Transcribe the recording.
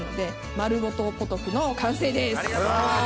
丸ごとポトフの完成です！